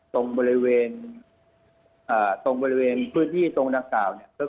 ตรงบริเวณตรงบริเวณพื้นที่ตรงดังกล่าวเนี่ย